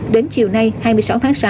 đến chiều nay hai mươi sáu tháng sáu